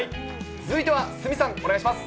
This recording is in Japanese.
続いては鷲見さん、お願いします。